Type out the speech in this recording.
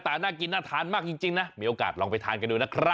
โปรดติดตามตอนต่อไป